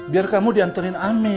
biar kamu dianterin amin